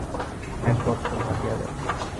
এক বৎসর কাটিয়া গেল।